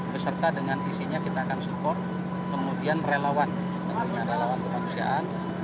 beserta dengan isinya kita akan support kemudian relawan tentunya relawan kemanusiaan